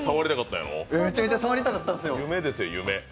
めちゃめちゃ触りたかったんですよ。